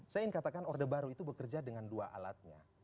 saya ingin katakan orde baru itu bekerja dengan dua alatnya